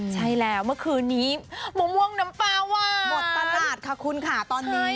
ใช่แล้วเมื่อคืนนี้มะม่วงน้ำปลาหมดตลาดค่ะคุณค่ะตอนนี้